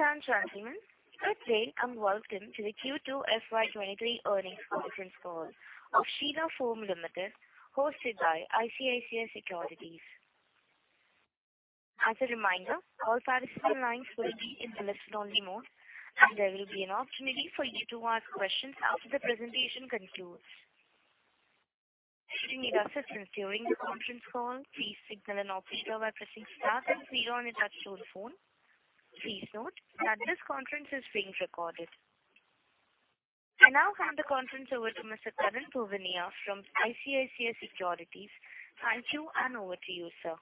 Ladies and gentlemen, good day and welcome to the Q2 FY 2023 earnings conference call of Sheela Foam Limited, hosted by ICICI Securities. As a reminder, all participant lines will be in listen-only mode, and there will be an opportunity for you to ask questions after the presentation concludes. If you need assistance during the conference call, please signal an operator by pressing star then zero on your touchtone phone. Please note that this conference is being recorded. I now hand the conference over to Mr. Karan Bhuwania from ICICI Securities. Thank you, and over to you, sir.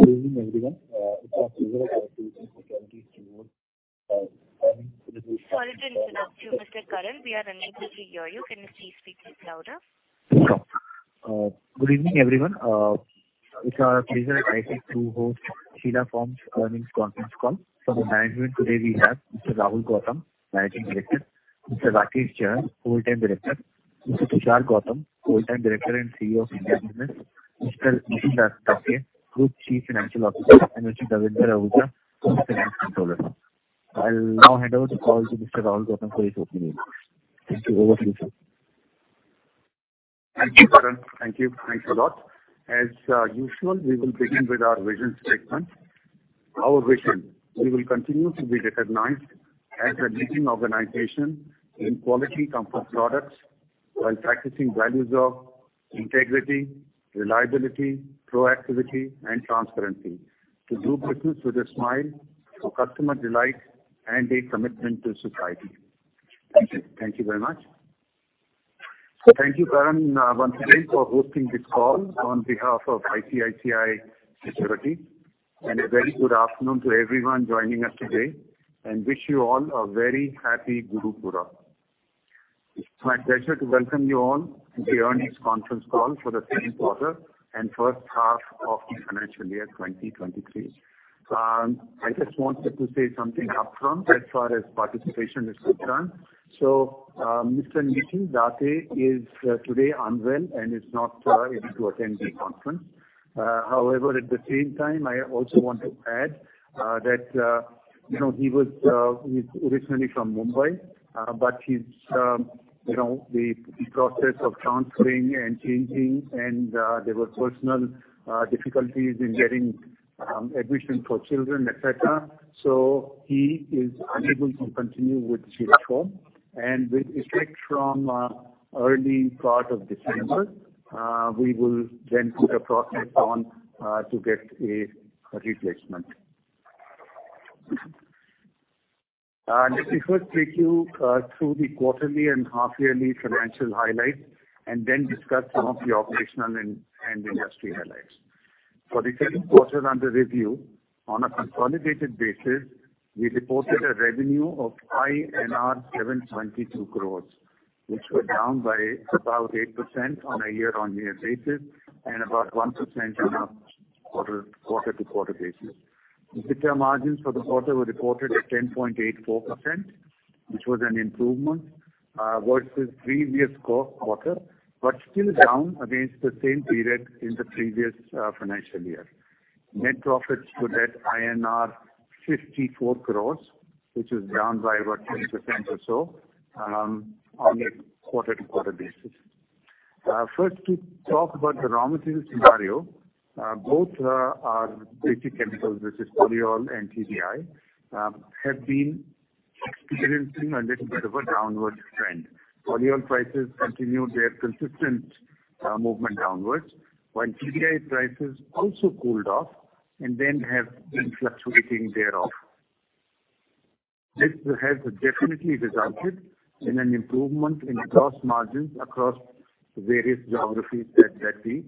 Good evening, everyone. It's our pleasure- Sorry to interrupt you, Mr. Karan. We are unable to hear you. Can you please speak a little louder? Good evening, everyone. It's our pleasure at ICICI to host Sheela Foam's earnings conference call. From the management today we have Mr. Rahul Gautam, Managing Director, Mr. Rakesh Chahar, Full-time Director, Mr. Tushar Gautam, Full-time Director and CEO of India Business, Mr. Nikhil Datye, Group Chief Financial Officer, and Mr. Davinder Ahuja, Finance Controller. I'll now hand over the call to Mr. Rahul Gautam for his opening remarks. Thank you. Over to you, sir. Thank you, Karan. Thank you. Thanks a lot. As usual, we will begin with our vision statement. Our vision: We will continue to be recognized as a leading organization in quality comfort products while practicing values of integrity, reliability, proactivity, and transparency, to do business with a smile for customer delight and a commitment to society. Thank you. Thank you very much. Thank you, Karan, once again for hosting this call on behalf of ICICI Securities, and a very good afternoon to everyone joining us today, and wish you all a very happy Guru Purnima. It's my pleasure to welcome you all to the earnings conference call for the same quarter and first half of the financial year 2023. I just wanted to say something upfront as far as participation is concerned. So, Mr. Nikhil Datye is today unwell and is not able to attend the conference. However, at the same time, I also want to add that you know, he was, he's originally from Mumbai, but he's you know, the process of transferring and changing and there were personal difficulties in getting admission for children, et cetera. So he is unable to continue with Sheela Foam, and with effect from early part of December, we will then put a process on to get a replacement. Let me first take you through the quarterly and half-yearly financial highlights, and then discuss some of the operational and industry highlights. For the quarter under review, on a consolidated basis, we reported a revenue of INR 772 crores, which was down by about 8% on a year-on-year basis, and about 1% on a quarter-to-quarter basis. EBITDA margins for the quarter were reported at 10.84%, which was an improvement versus previous quarter, but still down against the same period in the previous financial year. Net profits stood at INR 54 crores, which is down by about 10% or so on a quarter-to-quarter basis. First, to talk about the raw material scenario, both our basic chemicals, which is polyol and TDI, have been experiencing a little bit of a downward trend. Polyol prices continued their consistent movement downwards, while TDI prices also cooled off and then have been fluctuating thereof. This has definitely resulted in an improvement in gross margins across various geographies that we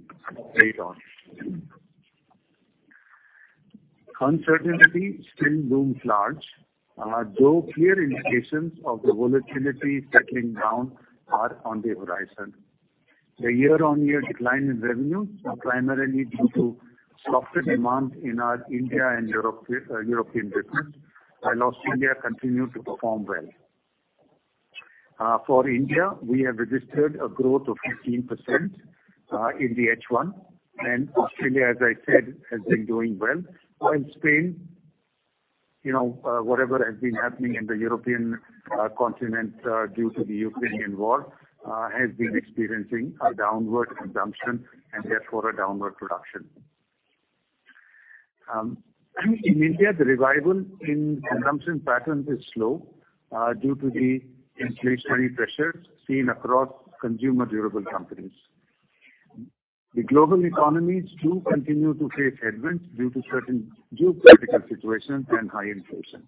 trade on. Uncertainty still looms large, though clear indications of the volatility settling down are on the horizon. The year-on-year decline in revenue are primarily due to softer demand in our India and European business, while Australia continued to perform well. For India, we have registered a growth of 15% in the H1, and Australia, as I said, has been doing well. While Spain, you know, whatever has been happening in the European continent due to the Ukrainian war has been experiencing a downward consumption and therefore a downward production. In India, the revival in consumption patterns is slow due to the inflationary pressures seen across consumer durable companies. The global economies do continue to face headwinds due to certain geopolitical situations and high inflation.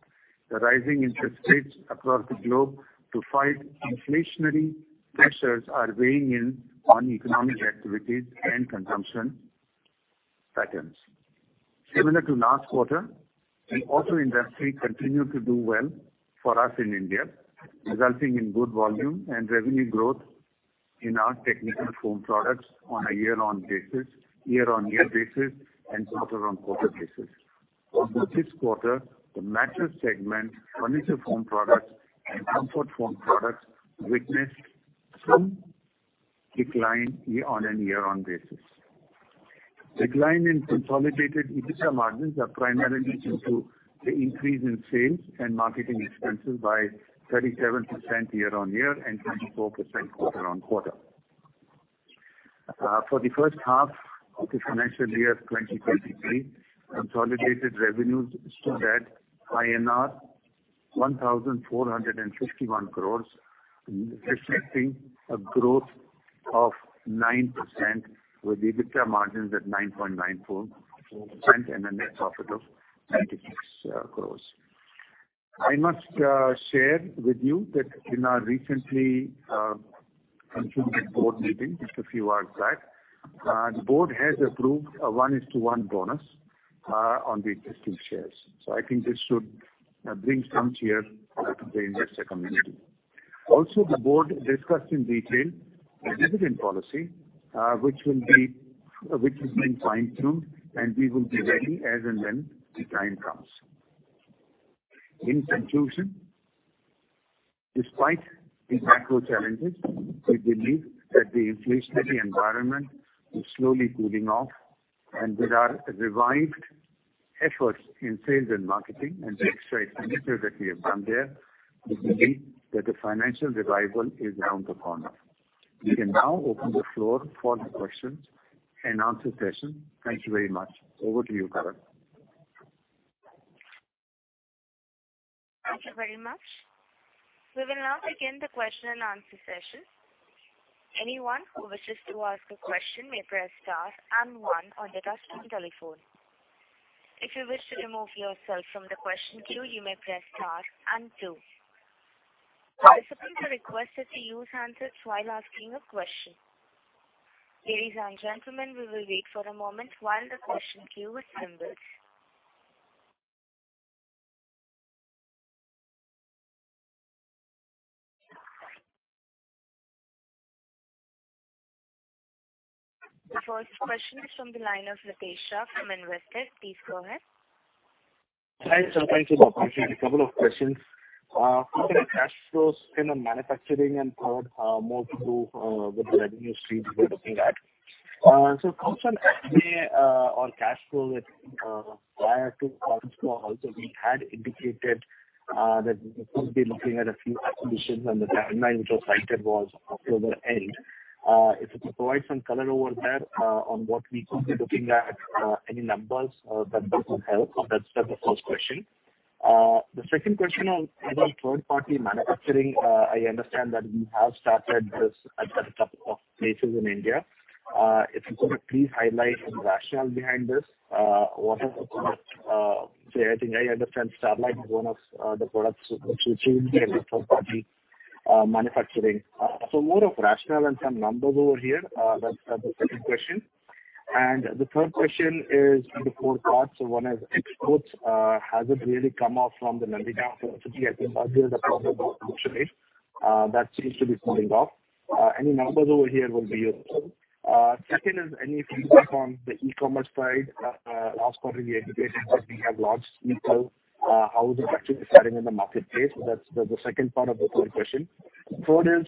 The rising interest rates across the globe to fight inflationary pressures are weighing in on economic activities and consumption patterns. Similar to last quarter, the auto industry continued to do well for us in India, resulting in good volume and revenue growth in our technical foam products on a year-on-year basis and quarter-on-quarter basis. Over this quarter, the mattress segment, furniture foam products, Feather Foam products witnessed some decline year-on-year. Decline in consolidated EBITDA margins are primarily due to the increase in sales and marketing expenses by 37% year-on-year and 24% quarter-on-quarter. For the first half of the financial year 2023, consolidated revenues stood at INR 1,451 crores, reflecting a growth of 9%, with EBITDA margins at 9.94%, and a net profit of 96 crores. I must share with you that in our recently concluded board meeting, just a few hours back, the board has approved a 1:1 bonus on the existing shares. So I think this should bring some cheer to the investor community. Also, the board discussed in detail the dividend policy, which is being fine-tuned, and we will be ready as and when the time comes. In conclusion, despite the macro challenges, we believe that the inflationary environment is slowly cooling off, and with our revived efforts in sales and marketing and the extra initiative that we have done there, we believe that the financial revival is around the corner. We can now open the floor for the questions-and-answer session. Thank you very much. Over to you, Karan. Thank you very much. We will now begin the question-and-answer session. Anyone who wishes to ask a question may press star and one on the touchtone telephone. If you wish to remove yourself from the question queue, you may press star and two. Participants are requested to use handsets while asking a question. Ladies and gentlemen, we will wait for a moment while the question queue assembles. The first question is from the line of Ritesh Shah from Investec. Please go ahead. Hi, sir. Thanks for the opportunity. A couple of questions. Cash flows in the manufacturing and third, more to do with the revenue stream we're looking at. So coming from MA, on cash flow, prior to call, also, we had indicated that we could be looking at a few acquisitions, and the timeline which was cited was October end. If you could provide some color over there, on what we could be looking at, any numbers, that would help. So that's the first question. The second question on about third-party manufacturing, I understand that we have started this at a couple of places in India. If you could please highlight the rationale behind this, what are the products? So I think I understand Starlite is one of the products which will be in the third-party manufacturing. So more of rationale and some numbers over here, that's the second question. The third question is into four parts. So one is exports. Has it really come off from the lockdown? So I think earlier the problem was freight rates. That seems to be cooling off. Any numbers over here will be useful. Second is any feedback on the e-commerce side? Last quarter we indicated that we have launched e-tail. How is it actually faring in the marketplace? That's the second part of the third question. Fourth is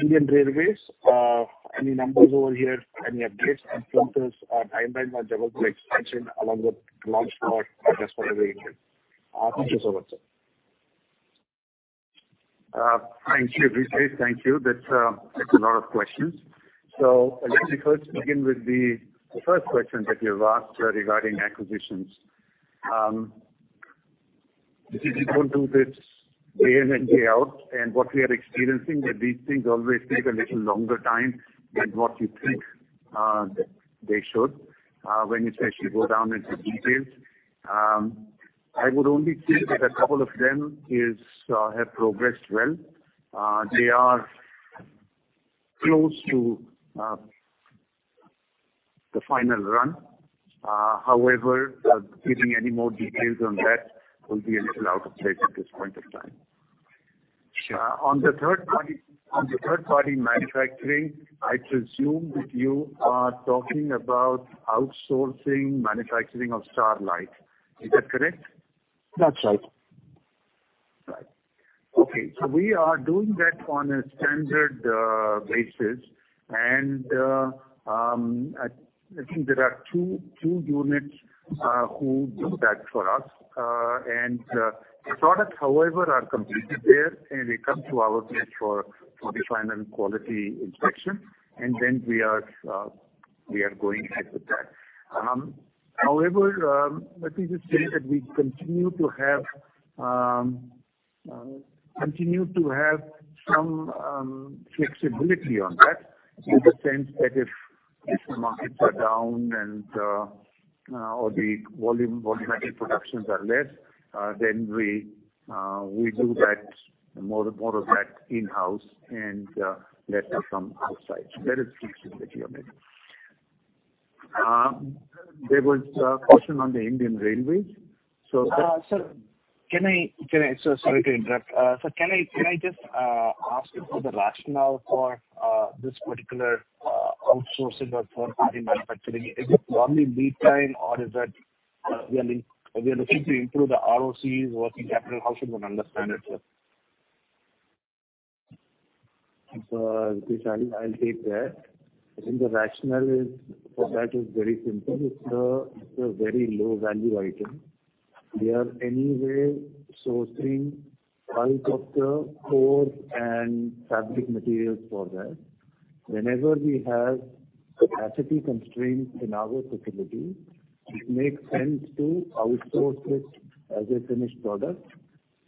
Indian Railways. Any numbers over here, any updates and glimpses on timelines on railway expansion along with launch for just for the region? Thank you so much, sir. Thank you, Ritesh. Thank you. That's a lot of questions. So let me first begin with the first question that you have asked regarding acquisitions. We go through this day in and day out, and what we are experiencing is that these things always take a little longer time than what you think they should when you actually go down into details. I would only say that a couple of them have progressed well. They are close to the final run. However, giving any more details on that will be a little out of place at this point in time. Sure. On the third party, on the third-party manufacturing, I presume that you are talking about outsourcing manufacturing of Starlite. Is that correct? That's right. Right. Okay, so we are doing that on a standard basis, and I think there are two units who do that for us. The products, however, are completed there, and they come to our place for the final quality inspection, and then we are going ahead with that. However, let me just say that we continue to have some flexibility on that, in the sense that if the markets are down and or the volumetric productions are less, then we do that more in-house and less from outside. So there is flexibility on it. There was a question on the Indian Railways. Sir, can I... So sorry to interrupt. Sir, can I just ask you for the rationale for this particular outsourcing or third-party manufacturing? Is it only lead time, or is that? We are looking to improve the ROCE working capital. How should one understand it, sir? So, Tushar, I'll take that. I think the rationale is, for that is very simple. It's a very low value item. We are anyway sourcing bulk of the cores and fabric materials for that. Whenever we have capacity constraints in our facility, it makes sense to outsource it as a finished product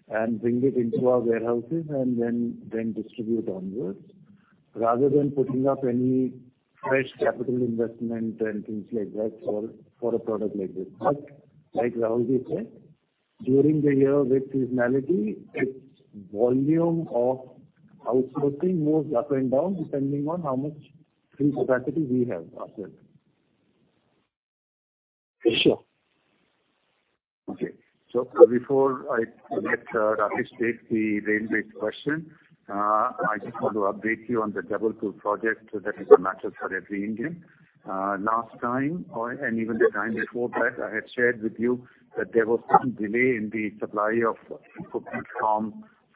and bring it into our warehouses and then distribute onwards. Rather than putting up any fresh capital investment and things like that for a product like this. But like Rahul ji said, during the year with seasonality, its volume of outsourcing moves up and down, depending on how much free capacity we have ourselves. Sure. Okay. Before I let Rakesh state the railway question, I just want to update you on the Jabalpur project that is a matter for every Indian. Last time, even the time before that, I had shared with you that there was some delay in the supply of equipment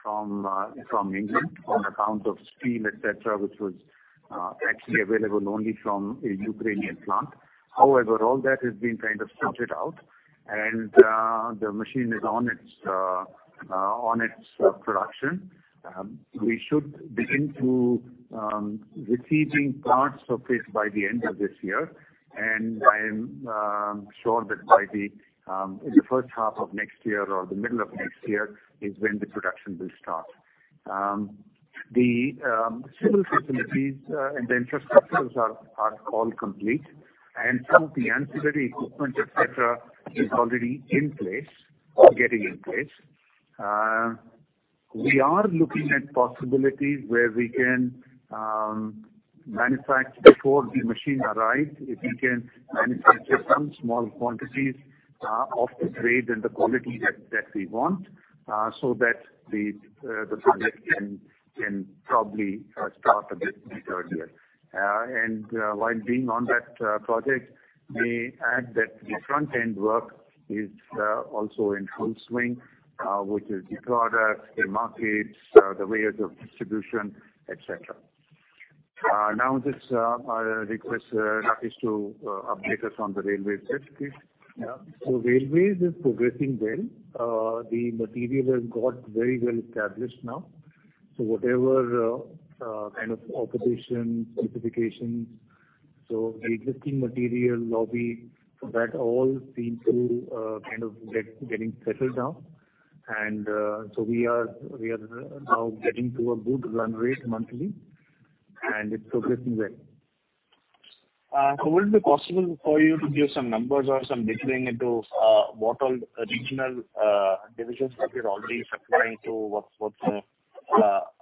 from England on account of steel, et cetera, which was actually available only from a Ukrainian plant. However, all that has been kind of sorted out, and the machine is on its production. We should begin to receiving parts of it by the end of this year and I'm sure that by in the first half of next year or the middle of next year is when the production will start. The civil facilities and the infrastructures are all complete, and some of the ancillary equipment, et cetera, is already in place or getting in place. We are looking at possibilities where we can manufacture before the machine arrives. If we can manufacture some small quantities of the grade and the quality that we want, so that the project can probably start a bit earlier. While being on that project, may add that the front-end work is also in full swing, which is the products, the markets, the ways of distribution, et cetera. Now just I request Rakesh to update us on the railways bit, please. Yeah. So railways is progressing well. The material has got very well established now. So whatever kind of occupations, specifications, so the existing material, lobby, that all seems to kind of getting settled down and so we are now getting to a good run rate monthly, and it's progressing well. Would it be possible for you to give some numbers or some detailing into what all regional divisions that you're already supplying to? What's the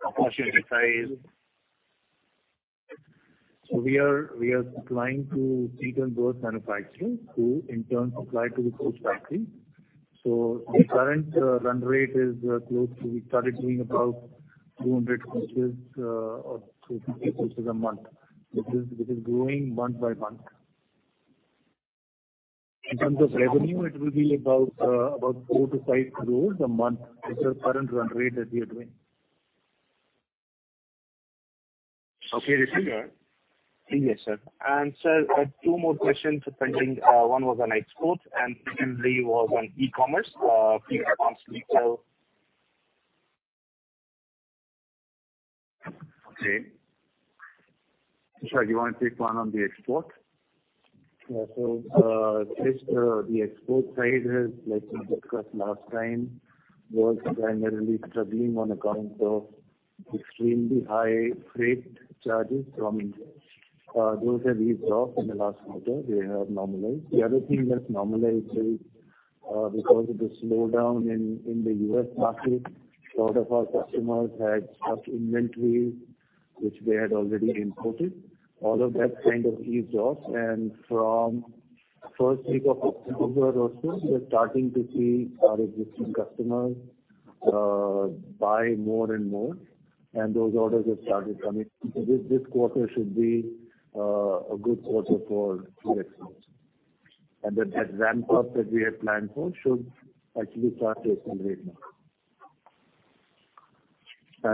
opportunity size? So we are supplying to seat and berth manufacturers, who in turn supply to the coach factories. So the current run rate is close to. We started doing about 200 coaches or 250 coaches a month. It is growing month by month. In terms of revenue, it will be about 4-5 crores a month, is the current run rate that we are doing. Okay, thank you. Yes, sir. Sir, I have two more questions regarding one was on export and secondly was on e-commerce, few months retail. Okay. Tushar, you want to take one on the export? Yeah. So, just, the export side, as like we discussed last time, was primarily struggling on account of extremely high freight charges from India. Those have eased off in the last quarter, they have normalized. The other thing that's normalized is, because of the slowdown in the U.S. market, a lot of our customers had stuck inventories, which they had already imported. All of that kind of eased off, and from first week of October also, we're starting to see our existing customers buy more and more, and those orders have started coming. So this quarter should be a good quarter for exports and that ramp up that we had planned for should actually start to accelerate now.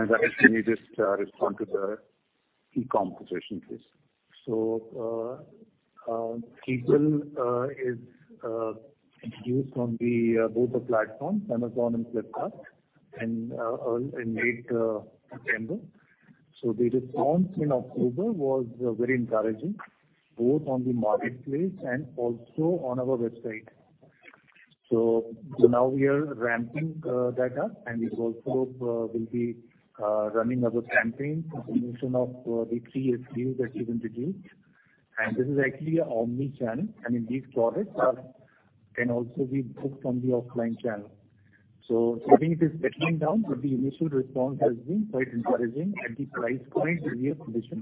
Rakesh, can you just respond to the e-com question, please? So, Regal is introduced on both the platforms, Amazon and Flipkart, in late September. The response in October was very encouraging, both on the marketplace and also on our website. Now we are ramping that up, and we also will be running other campaigns, continuation of the three SKUs that we've introduced and this is actually an omni-channel, and these products can also be booked on the offline channel. I think it is settling down, but the initial response has been quite encouraging, and the price point is very competitive.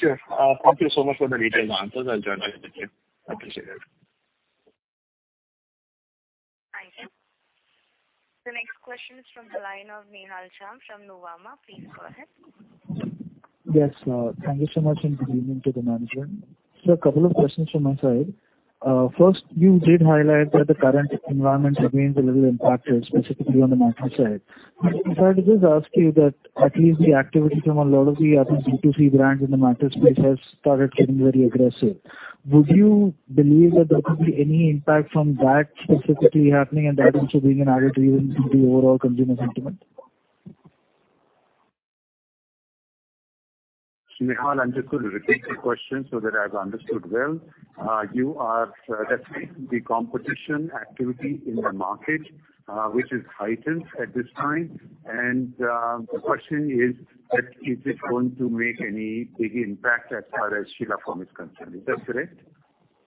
Sure. Thank you so much for the detailed answers. I'll join back with you. Appreciate it. Thank you. The next question is from the line of Nihal Shah from Nuvama Wealth, please go ahead. Yes, thank you so much, and good evening to the management. So a couple of questions from my side. First, you did highlight that the current environment remains a little impacted, specifically on the mattress side. I'd just ask you that at least the activity from a lot of the other B2C brands in the mattress space has started getting very aggressive. Would you believe that there could be any impact from that specifically happening, and that also being an added to even the overall consumer sentiment? Nihal, I'll just quickly repeat the question so that I've understood well. You are, that's the competition activity in the market, which is heightened at this time, and, the question is that, is it going to make any big impact as far as Sheela Foam is concerned? Is that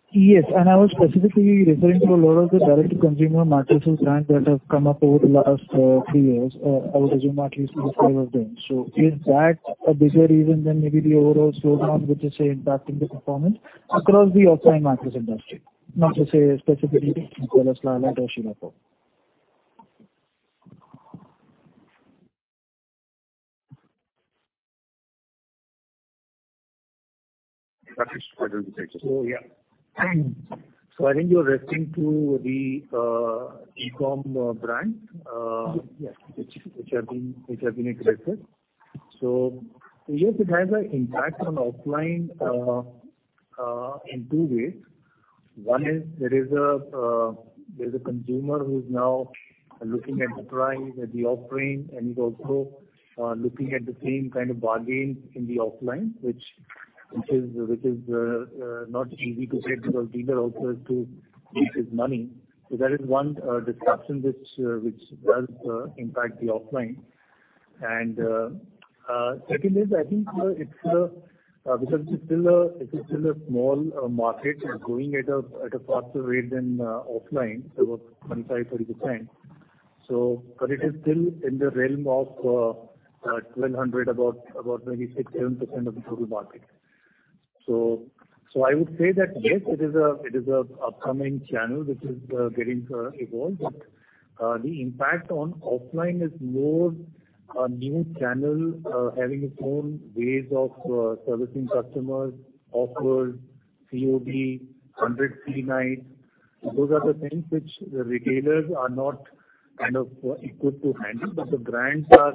correct? Yes, and I was specifically referring to a lot of the direct-to-consumer mattresses brands that have come up over the last three years. I would assume at least before were doing. So is that a bigger reason than maybe the overall slowdown, which is, say, impacting the performance across the offline mattress industry, not to say specifically as well as Sleepwell or Sheela Foam? That is, I don't think so. Oh, yeah. So I think you're referring to the, e-com, brand, Yes. -which have been aggressive. So yes, it has an impact on offline in two ways. One is there is a consumer who is now looking at the price, at the offering, and he's also looking at the same kind of bargain in the offline, which is not easy to get because dealer also has to make his money. So that is one disruption which does impact the offline. Second is, I think, it's because it's still a small market and growing at a faster rate than offline, about 25%-30%. So but it is still in the realm of 1,200, about maybe 6%-7% of the total market. So, I would say that, yes, it is a upcoming channel which is getting evolved, but the impact on offline is more a new channel having its own ways of servicing customers, offers, COD, 100 free nights. Those are the things which the retailers are not kind of equipped to handle. But the brands are,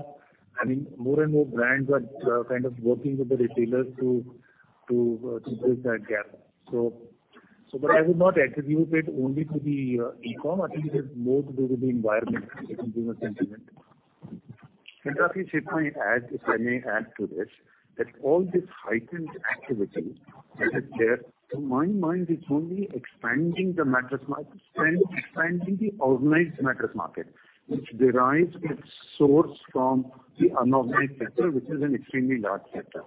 I mean, more and more brands are kind of working with the retailers to bridge that gap. So, but I would not attribute it only to the e-com. I think it's more to do with the environment and consumer sentiment. I think if I add, if I may add to this, that all this heightened activity that is there, to my mind, is only expanding the mattress market, and expanding the organized mattress market, which derives its source from the unorganized sector, which is an extremely large sector.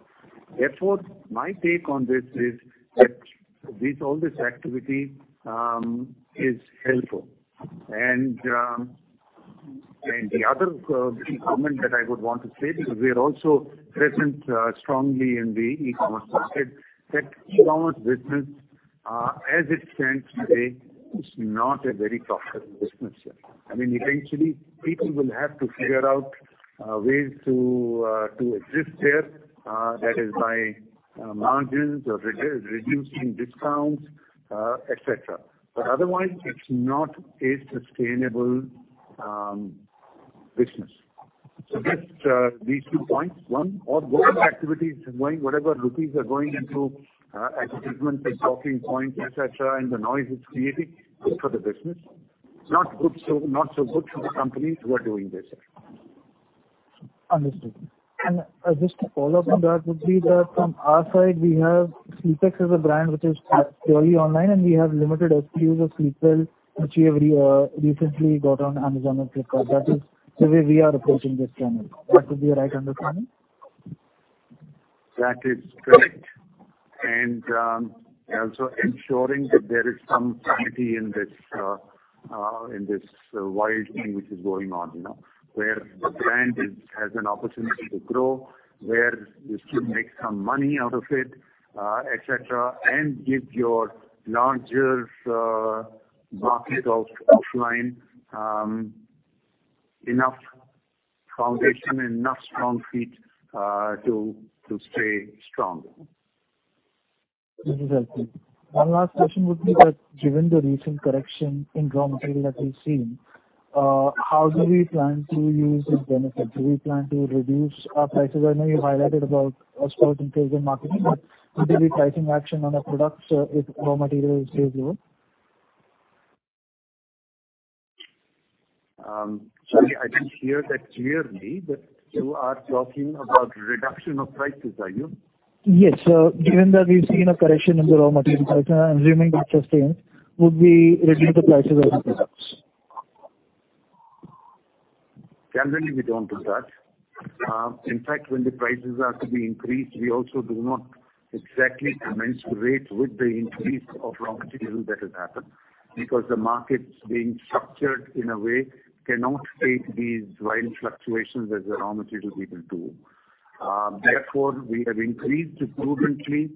Therefore, my take on this is that this, all this activity, is helpful. The other, little comment that I would want to say, because we are also present, strongly in the e-commerce market, that e-commerce business, as it stands today, is not a very profitable business yet. I mean, eventually, people will have to figure out, ways to exist there, that is by, margins or reducing discounts, et cetera. But otherwise, it's not a sustainable, business. So just these two points, one, all those activities going, whatever rupees are going into advertisements and talking points, et cetera, and the noise it's creating, good for the business, not good for, not so good for the companies who are doing this. Understood. Just to follow up on that would be that from our side, we have SleepX as a brand which is purely online, and we have limited SKUs of Sleepwell, which we have recently got on Amazon and Flipkart. That is the way we are approaching this channel. That would be a right understanding? That is correct. Also ensuring that there is some sanity in this in this wild thing which is going on, you know, where the brand is has an opportunity to grow, where you still make some money out of it et cetera, and give your larger market of offline enough foundation and enough strong feet to stay strong. This is helpful. One last question would be that given the recent correction in raw material that we've seen, how do we plan to use this benefit? Do we plan to reduce our prices? I know you highlighted about a slight increase in marketing, but would there be pricing action on the products, if raw material stays low? Sorry, I didn't hear that clearly, but you are talking about reduction of prices, are you? Yes. Given that we've seen a correction in the raw material prices, and assuming that sustains, would we reduce the prices of the products? Generally, we don't do that. In fact, when the prices are to be increased, we also do not exactly commensurate with the increase of raw material that has happened because the market's being structured in a way cannot take these wild fluctuations as the raw material people do. Therefore, we have increased prudently.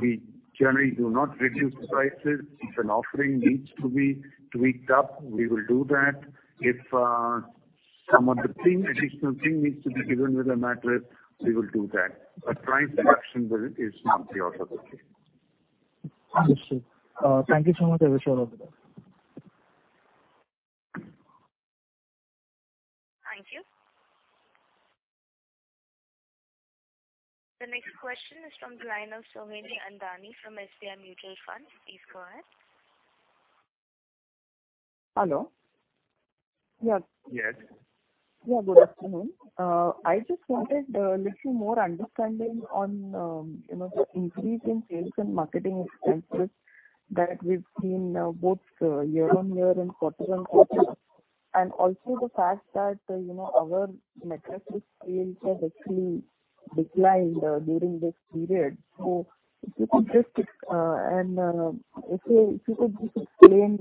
We generally do not reduce the prices. If an offering needs to be tweaked up, we will do that. If some of the thing, additional thing needs to be given with a mattress, we will do that. But price reduction is not the possibility. Understood. Thank you so much, I wish you all the best. Thank you. The next question is from the line of Sohini Andani from SBI Mutual Fund. Please go ahead. Hello. Yeah. Yes. Yeah, good afternoon. I just wanted little more understanding on, you know, the increase in sales and marketing expenses that we've seen both year-on-year and quarter-on-quarter. Also the fact that, you know, our mattresses sales have actually declined during this period. So if you could just, and, if you, if you could just explain,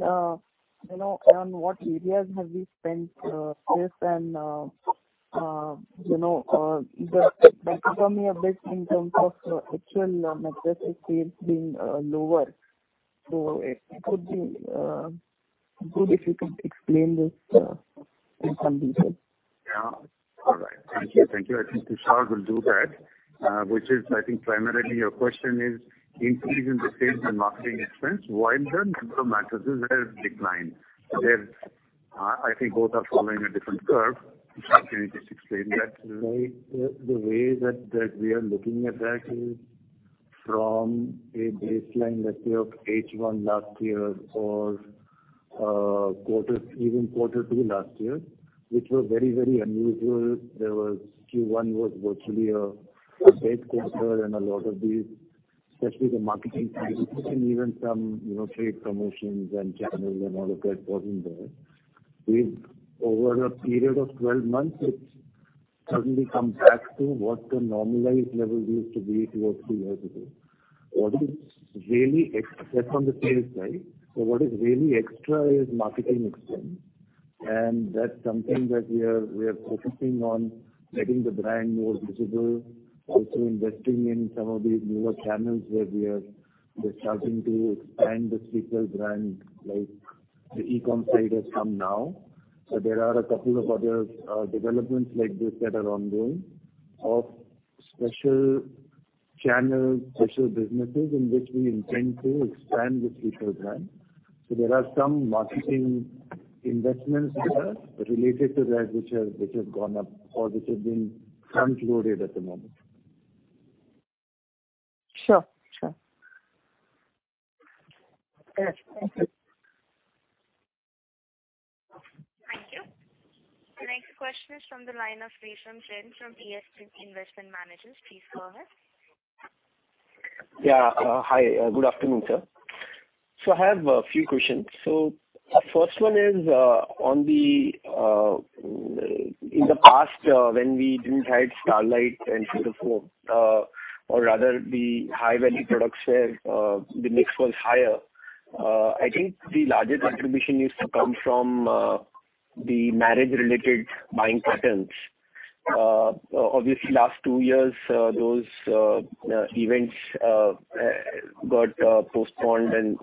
you know, on what areas have we spent this and, you know, the, the economy a bit in terms of actual mattress sales being lower. So it could be good if you could explain this in some detail. Yeah. All right. Thank you, thank you. I think Tushar will do that, which is, I think, primarily your question: increase in the sales and marketing expense, while the number of mattresses has declined. Where, I think both are following a different curve. Tushar, can you just explain that? Right. The way that we are looking at that is from a baseline, let's say, of H1 last year or quarter, even quarter two last year, which was very, very unusual. There was Q1 was virtually a base quarter and a lot of the, especially the marketing side, and even some, you know, trade promotions and channels and all of that wasn't there. We've over a period of 12 months, it's suddenly come back to what the normalized level used to be two or three years ago. What is really extra from the sales side, so what is really extra is marketing expense, and that's something that we are, we are focusing on making the brand more visible, also investing in some of these newer channels where we are just starting to expand the Sleepwell brand, like the e-com site has come now. So there are a couple of other developments like this that are ongoing, of special channels, special businesses in which we intend to expand the Sleepwell brand. So there are some marketing investments that are related to that, which have, which have gone up or which have been front-loaded at the moment. Sure. Sure. Okay. Thank you. Thank you. The next question is from the line of Resham Jain from DSP Investment Managers. Please go ahead. Yeah. Hi, good afternoon, sir. So I have a few questions. So the first one is, on the, in the past, when we didn't have Starlite and Foam, or rather the high-value products where, the mix was higher, I think the largest contribution used to come from, the marriage-related buying patterns. Obviously, last two years, those events got postponed and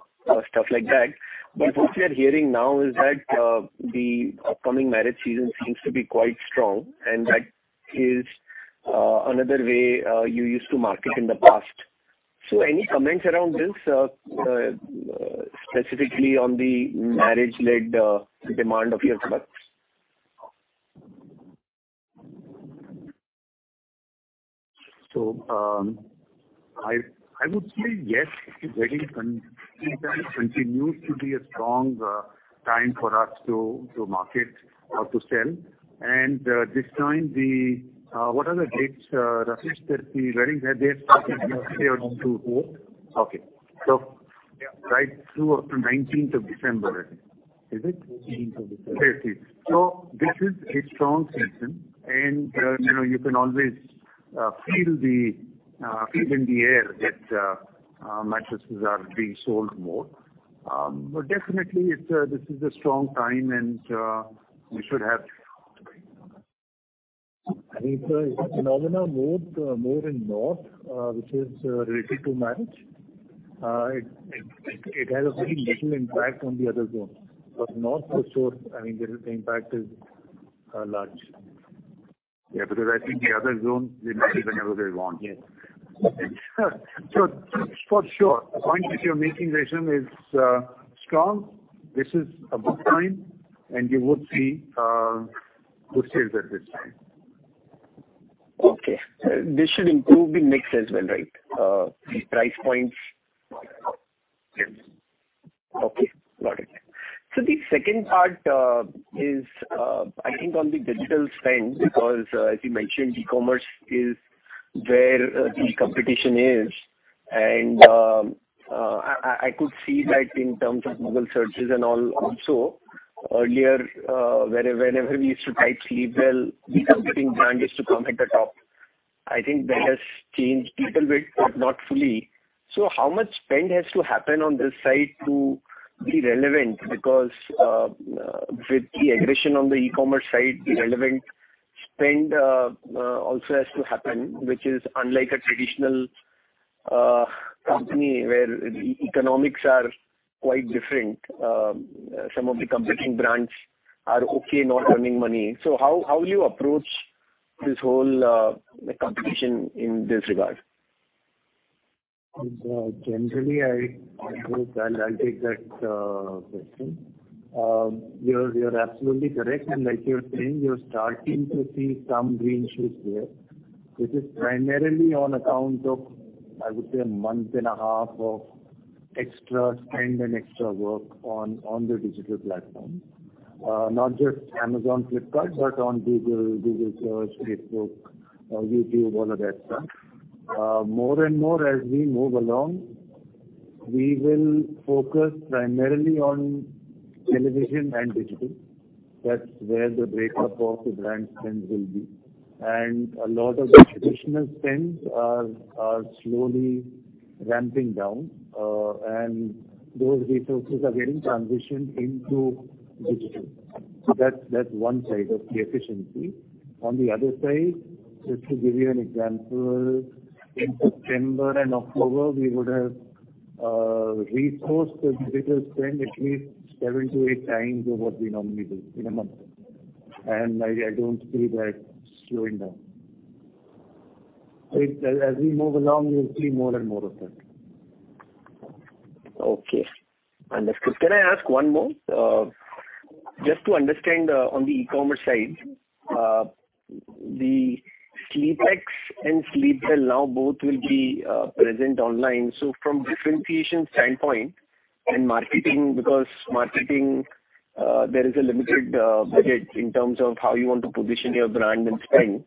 stuff like that. But what we are hearing now is that, the upcoming marriage season seems to be quite strong, and that is, another way, you used to market in the past. So any comments around this, specifically on the marriage-led, demand of your products? So, I would say yes, wedding season continues to be a strong time for us to market or to sell. And this time, what are the dates, Rakesh, that the weddings have started? Okay. So right through up to 19th of December, I think. Is it? 19th of December. Yes, it is. So this is a strong season, and you know, you can always feel the feel in the air that mattresses are being sold more. But definitely, this is a strong time, and we should have. I think the phenomenon more in north, which is related to marriage. It has a very little impact on the other zones. But north for sure, I mean, the impact is large. Yeah, because I think the other zones, they marry whenever they want. Yes. So for sure, the point which you're making, Resham, is strong. This is a good time, and you would see good sales at this time. Okay. This should improve the mix as well, right? The price points. Yes. Okay, got it. So the second part is, I think on the digital spend, because, as you mentioned, e-commerce is where the competition is. And, I could see that in terms of Google searches and all also, earlier, whenever we used to type Sleepwell, the competing brand used to come at the top. I think that has changed little bit, but not fully.... So how much spend has to happen on this side to be relevant because, with the aggression on the e-commerce side, the relevant spend also has to happen, which is unlike a traditional company, where economics are quite different? Some of the competing brands are okay not earning money. So how will you approach this whole competition in this regard? Generally, I think I'll take that question. You're absolutely correct, and like you're saying, you're starting to see some green shoots there, which is primarily on account of, I would say, a month and a half of extra spend and extra work on the digital platform. Not just Amazon, Flipkart, but on Google, Google Search, Facebook, YouTube, all of that stuff. More and more, as we move along, we will focus primarily on television and digital. That's where the breakup of the brand spend will be. A lot of the traditional spends are slowly ramping down, and those resources are getting transitioned into digital. So that's one side of the efficiency. On the other side, just to give you an example, in September and October, we would have resourced the digital spend at least 7x-8x of what we normally do in a month, and I don't see that slowing down. As we move along, you'll see more and more of that. Okay. Understood. Can I ask one more? Just to understand, on the e-commerce side, the SleepX and Sleepwell now both will be present online. So from differentiation standpoint and marketing, because marketing, there is a limited budget in terms of how you want to position your brand and spend.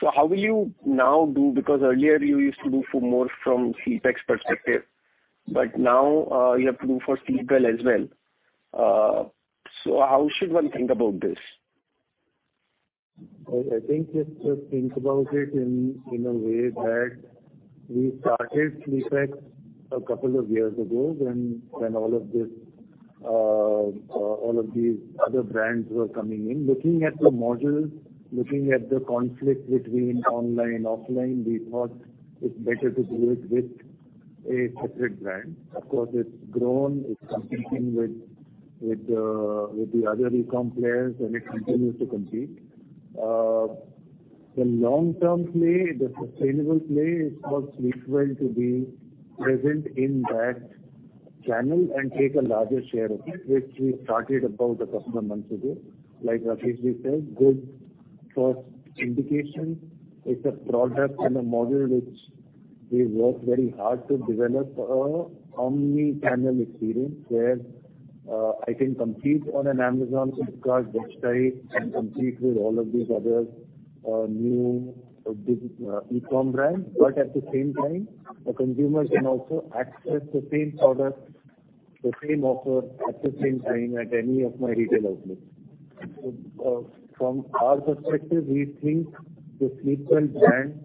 So how will you now do, because earlier you used to do for more from SleepX perspective, but now you have to do for Sleepwell as well. So how should one think about this? I think just think about it in a way that we started SleepX a couple of years ago when all of this, all of these other brands were coming in. Looking at the model, looking at the conflict between online, offline, we thought it's better to do it with a separate brand. Of course, it's grown, it's competing with the other e-com players, and it continues to compete. The long-term play, the sustainable play is for Sleepwell to be present in that channel and take a larger share of it, which we started about a couple of months ago. Like Rakesh says, good first indication. It's a product and a model which we worked very hard to develop, an omni-channel experience, where I can compete on an Amazon, Flipkart, website, and compete with all of these other new digital e-com brands. But at the same time, a consumer can also access the same product, the same offer, at the same time, at any of my retail outlets. From our perspective, we think the Sleepwell brand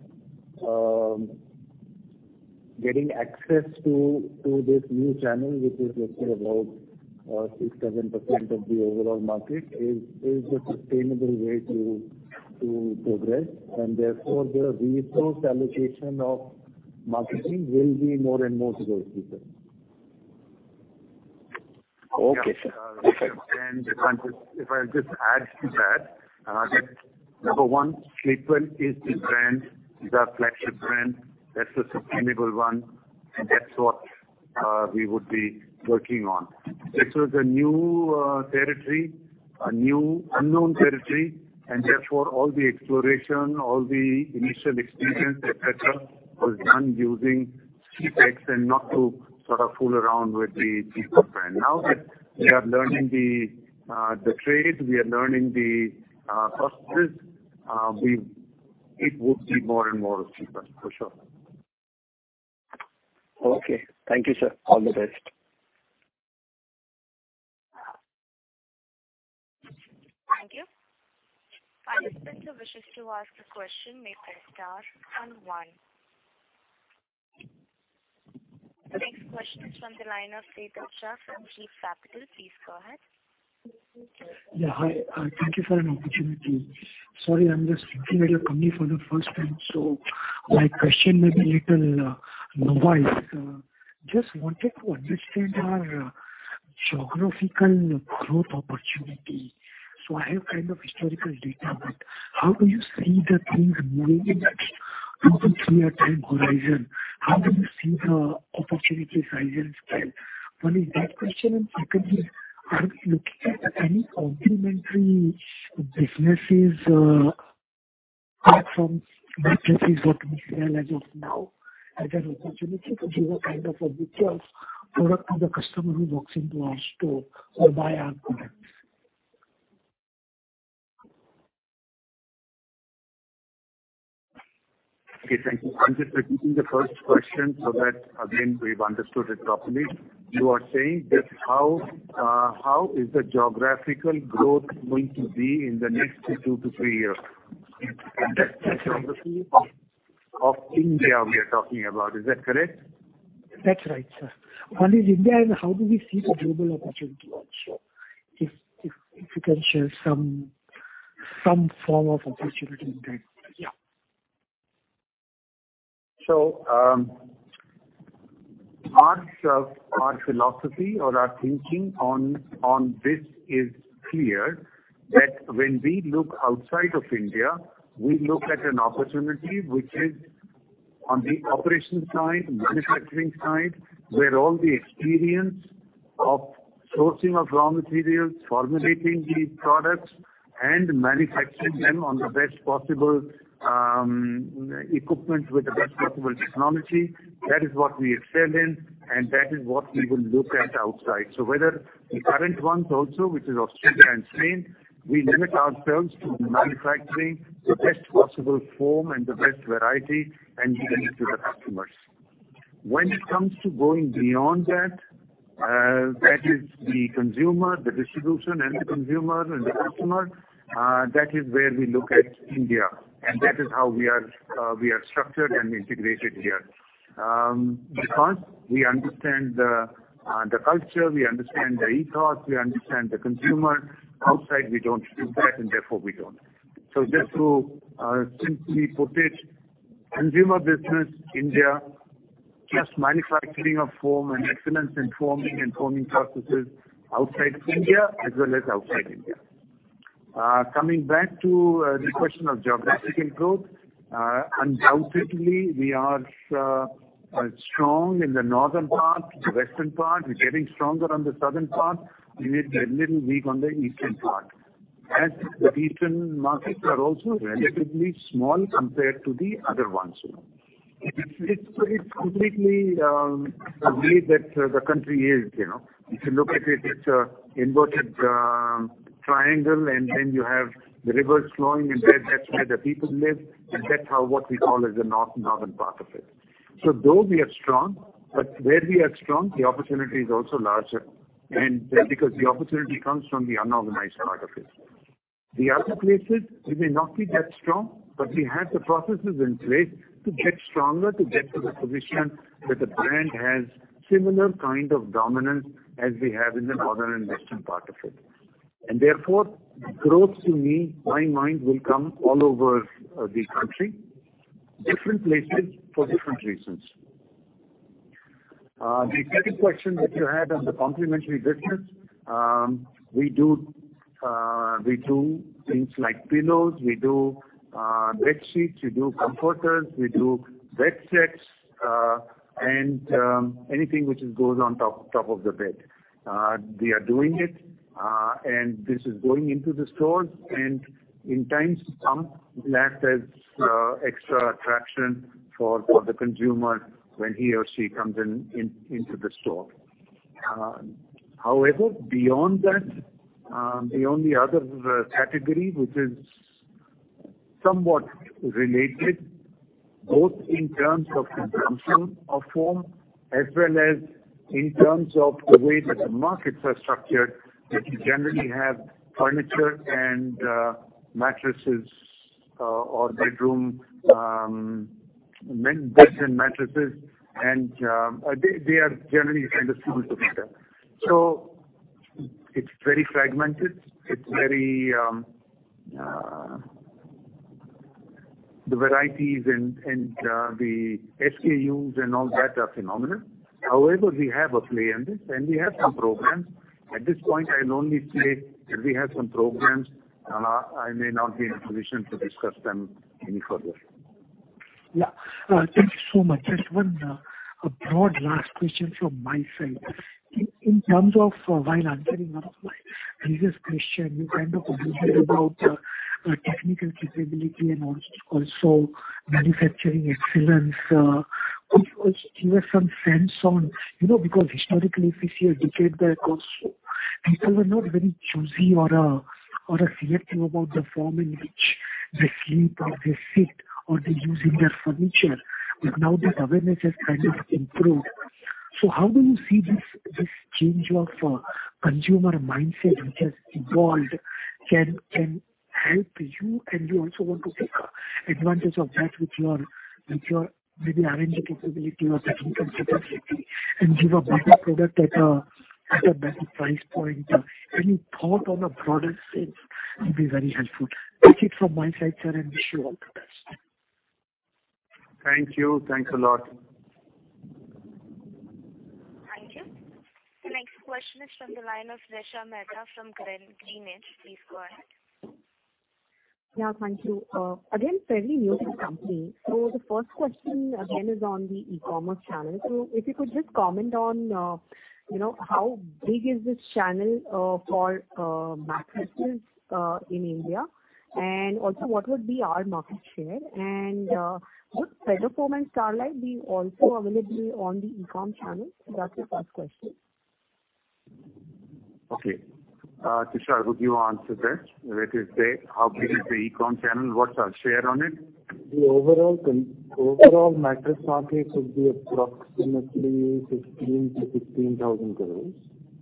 getting access to this new channel, which is roughly about 6%-7% of the overall market, is a sustainable way to progress and therefore, the resource allocation of marketing will be more and more to those people. Okay, sir. If I just add to that, that number one, Sleepwell is the brand, is our flagship brand. That's a sustainable one, and that's what we would be working on. This was a new territory, a new unknown territory. Therefore, all the exploration, all the initial experience, et cetera, was done using SleepX and not to sort of fool around with the Sleepwell brand. Now that we are learning the trade, we are learning the processes it would be more and more of Sleepwell, for sure. Okay. Thank you, sir. All the best. Thank you. Participant who wishes to ask a question may press star then one. The next question is from the line of Vidisha Sheth from Key Capital. Please go ahead. Yeah, hi. Thank you for an opportunity. Sorry, I'm just looking at your company for the first time, so my question may be a little novice. Just wanted to understand your geographical growth opportunity. So I have kind of historical data, but how do you see the things moving in the two to three-year time horizon? How do you see the opportunity, size, and scale? One is that question, and secondly, are you looking at any complementary businesses apart from what is, what we sell as of now, as an opportunity to give a kind of a details product to the customer who walks into our store or buy our products? Okay, thank you. I'm just repeating the first question so that, again, we've understood it properly. You are saying that how is the geographical growth going to be in the next two to three years? Of India we are talking about, is that correct? That's right, sir. One is India, and how do we see the global opportunity also? If you can share some form of opportunity in that. Yeah. So, our philosophy or our thinking on, on this is clear, that when we look outside of India, we look at an opportunity which is on the operation side, manufacturing side, where all the experience of sourcing of raw materials, formulating the products, and manufacturing them on the best possible, equipment with the best possible technology, that is what we excel in, and that is what we will look at outside. So whether the current ones also, which is Australia and Spain, we limit ourselves to manufacturing the best possible foam and the best variety, and giving it to the customers. When it comes to going beyond that, that is the consumer, the distribution and the consumer and the customer, that is where we look at India, and that is how we are, we are structured and integrated here because we understand the culture, we understand the ethos, we understand the consumer. Outside, we don't do that, and therefore we don't. So just to simply put it, consumer business, India, just manufacturing of foam and excellence in foaming and foaming processes outside India as well as outside India. Coming back to the question of geographic improvement, undoubtedly, we are strong in the northern part, the western part. We're getting stronger on the southern part. We are a little weak on the eastern part, as the eastern markets are also relatively small compared to the other ones. It's completely the way that the country is, you know. If you look at it, it's an inverted triangle, and then you have the rivers flowing, and that's where the people live, and that's how what we call the northern part of it. So though we are strong, but where we are strong, the opportunity is also larger, and because the opportunity comes from the unorganized part of it. The other places we may not be that strong, but we have the processes in place to get stronger, to get to the position that the brand has similar kind of dominance as we have in the northern and western part of it. Therefore, growth to me, my mind, will come all over the country, different places for different reasons. The second question that you had on the complementary business, we do things like pillows, we do bedsheets, we do comforters, we do bed sets, and anything which goes on top of the bed. We are doing it, and this is going into the stores, and at times some last as extra attraction for the consumer when he or she comes into the store. However, beyond that, the only other category which is somewhat related, both in terms of consumption of foam as well as in terms of the way that the markets are structured, that you generally have furniture and mattresses, or bedroom beds and mattresses, and they are generally kind of similar together. So it's very fragmented, it's very... The varieties and the SKUs and all that are phenomenal. However, we have a play in this, and we have some programs. At this point, I'll only say that we have some programs, and I may not be in a position to discuss them any further. Yeah. Thank you so much. Just one, a broad last question from my side. In terms of, while answering my previous question, you kind of mentioned about, technical capability and also manufacturing excellence. Could you also give us some sense on... You know, because historically, if we see a decade back or so, people were not very choosy or assertive about the form in which they sleep, or they sit, or they use in their furniture, but now this awareness has kind of improved. So how do you see this change of, consumer mindset, which has evolved, can help you, and you also want to take advantage of that with your, with your maybe R&D capability or technical capability, and give a better product at a better price point? Any thought on the product side will be very helpful. That's it from my side, sir, and wish you all the best. Thank you. Thanks a lot. Thank you. The next question is from the line of Resha Mehta from GreenEdge Wealth Services. Please go ahead. Yeah, thank you. Again, fairly new to the company. So the first question again is on the e-commerce channel. So if you could just comment on, you know, how big is this channel for mattresses in India? Also, what would be our market share and would Feather Foam and Starlite be also available on the e-com channel? That's the first question. Okay. Tushar, would you answer that? That is the, how big is the e-com channel? What's our share on it? The overall mattress market could be approximately 15,000-16,000 crore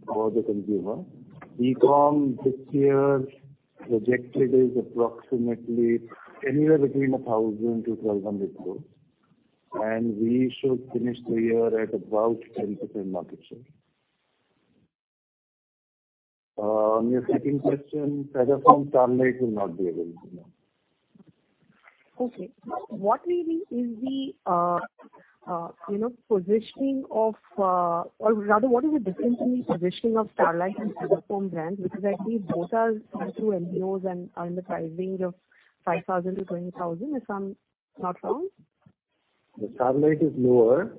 for the consumer. E-com this year, projected is approximately anywhere between 1,000-1,200 crore, and we should finish the year at about 10% market share. On your second question, Feather Foam, Starlite will not be available now. Okay. What maybe is the positioning of, you know, or rather, what is the differentiated positioning of Starlite and Feather Foam brands because I see both are through MBOs and are in the pricing of 5,000-20,00? Am I somewhat not wrong? The Starlite is lower.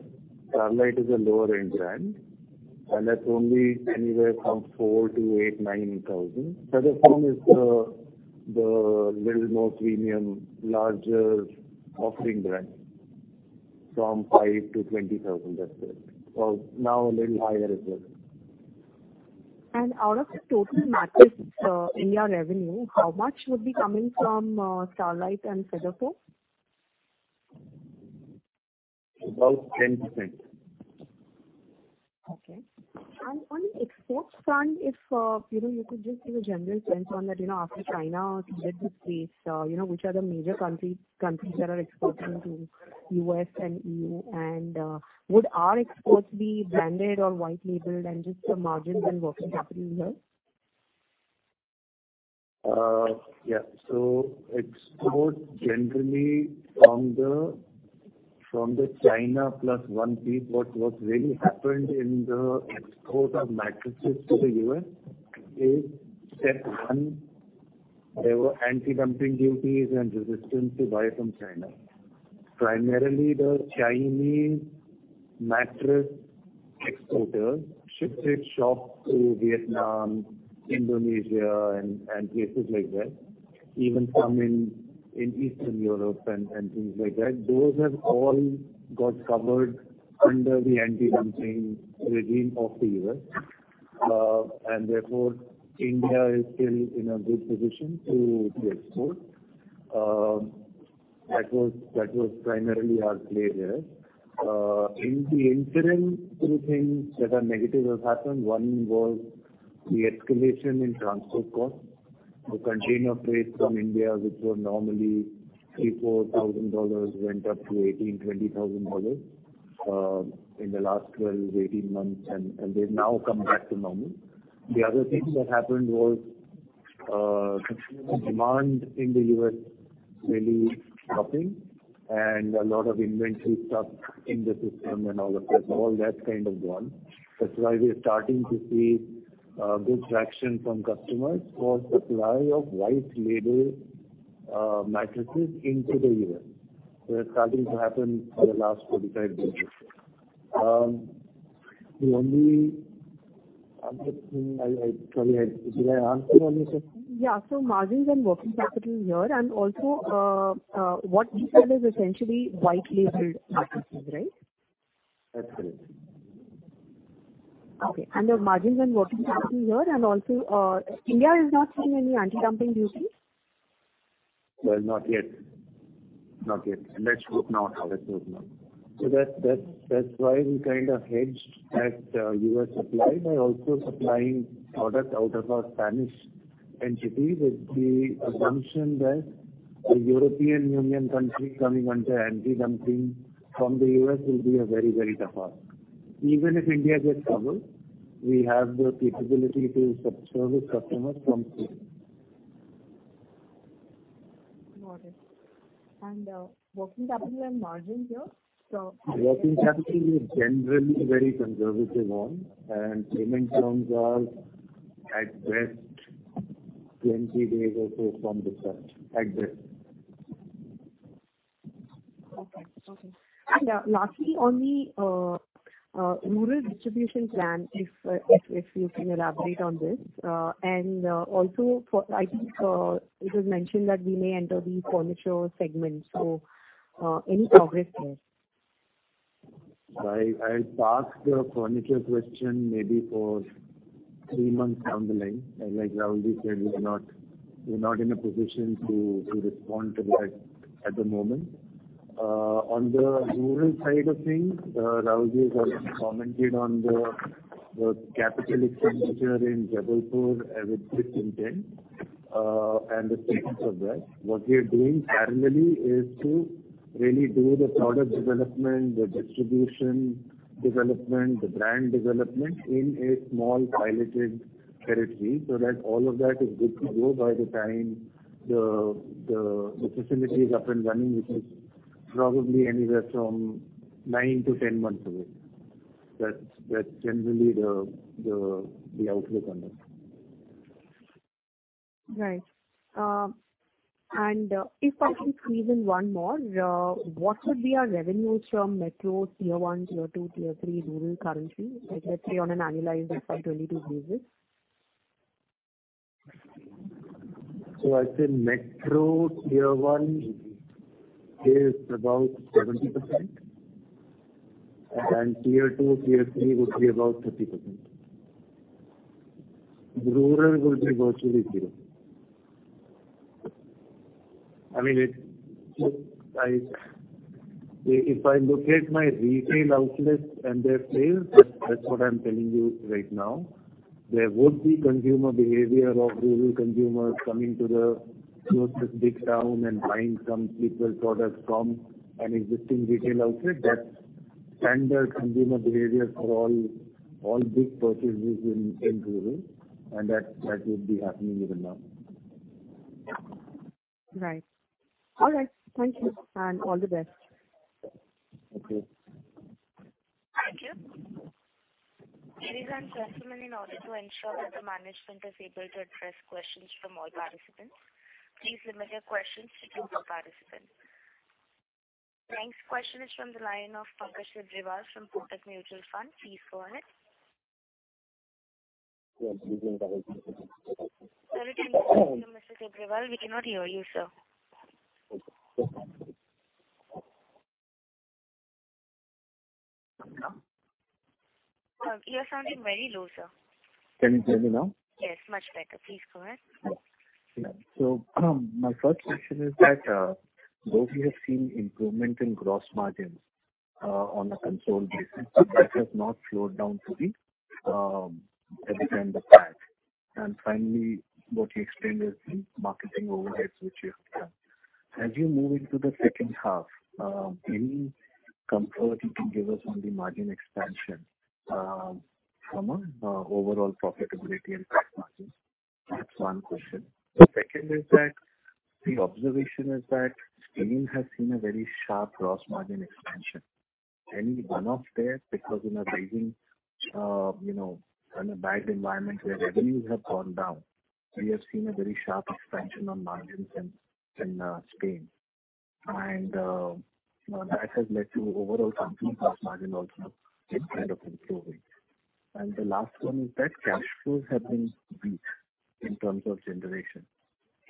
Starlite is a lower range brand, and that's only anywhere from 4,000-8,000-INR 9,000. Feather Foam is the little more premium, larger offering brand, from 5,000-20,000, that's it. Well, now a little higher as well. Out of the total mattress India revenue, how much would be coming from Starlite and Feather Foam? About 10%. Okay. On the export front, if you know, you could just give a general sense on that, you know, after China plus one, you know, which are the major countries, countries that are exporting to U.S. and EU? Would our exports be branded or white-labeled, and just the margins and working capital here? Yeah. So export generally from the, from the China plus one peak, what really happened in the export of mattresses to the U.S., is step one, there were anti-dumping duties and resistance to buy from China. Primarily, the Chinese mattress exporters shifted shops to Vietnam, Indonesia, and places like that, even some in Eastern Europe and things like that. Those have all got covered under the anti-dumping regime of the U.S and therefore, India is still in a good position to export. That was primarily our play there. In the interim, two things that are negative have happened. One was the escalation in transport costs. The container rates from India, which were normally $3,000-$4,000, went up to $18,000-$20,000 in the last 12-18 months, and they've now come back to normal. The other thing that happened was demand in the U.S. really dropping, and a lot of inventory stuck in the system and all of that, all that kind of gone. That's why we are starting to see good traction from customers for supply of white label mattresses into the U.S. So it's starting to happen for the last 30-35 days. The only other thing I probably had... Did I answer all your questions? Yeah. So margins and working capital here, and also, what we sell is essentially white-labeled mattresses, right? That's correct. Okay, and the margins and working capital here, and also, India is not seeing any anti-dumping duties? Well, not yet. Not yet, and that should not. So that's why we kind of hedged that U.S. supply by also supplying product out of our Spanish entity, with the assumption that the European Union countries coming under anti-dumping from the U.S. will be a very, very tough ask. Even if India gets covered, we have the capability to service customers from here. Got it. Working capital and margins here? Working capital is generally very conservative on, and payment terms are at best, 20 days or so from the start, at best. Okay. Okay. Lastly, on the rural distribution plan, if you can elaborate on this. Also, I think it was mentioned that we may enter the furniture segment. So, any progress there? I'll pass the furniture question maybe for three months down the line. Like Rahulji said, we're not in a position to respond to that at the moment. On the rural side of things, Rahulji has already commented on the capital expenditure in Jabalpur as it sits intent and the status of that. What we are doing currently is to really do the product development, the distribution development, the brand development in a small piloted territory, so that all of that is good to go by the time the facility is up and running, which is probably anywhere from 9-10 months away. That's generally the outlook on that. Right. If I can squeeze in one more, what would be our revenues from metro Tier one, Tier two, Tier three rural currently, like let's say, on an annualized basis for 2022 basis? So I'd say metro Tier 1 is about 70%, and Tier 2, Tier 3 would be about 30%. Rural would be virtually 0%. I mean, it's if I look at my retail outlets and their sales, that's what I'm telling you right now. There would be consumer behavior of rural consumers coming to the closest big town and buying some Sleepwell products from an existing retail outlet. That's standard consumer behavior for all big purchases in rural, and that would be happening even now. Right. All right. Thank you, and all the best. Okay. Thank you. There is one gentleman in order to ensure that the management is able to address questions from all participants. Please limit your questions to two per participant. Next question is from the line of Pankaj Agrawal from Muthoot Mutual Fund. Please go ahead. Yeah. Sir, we can't hear you. Mr. Agrawal. We cannot hear you, sir. Okay. You are sounding very low, sir. Can you hear me now? Yes, much better. Please go ahead. Yeah. So, my first question is that, though we have seen improvement in gross margins, on a consolidated basis, that has not flowed down to the EBITDA and the PAT. Finally, what you explained is the marketing overheads, which you have done. As you move into the second half, any comfort you can give us on the margin expansion, from a overall profitability and PAT margins? That's one question. The second is that, the observation is that Spain has seen a very sharp gross margin expansion. Any one-off there because in a rising, you know, in a bad environment where revenues have gone down, we have seen a very sharp expansion on margins in Spain? That has led to overall company gross margin also kind of improving. The last one is that cash flows have been weak in terms of generation.